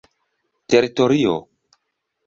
teritorio